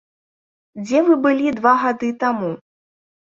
Дзе вы былі два гады таму?